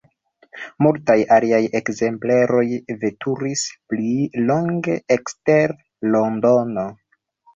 Multaj aliaj ekzempleroj veturis pli longe ekster Londono.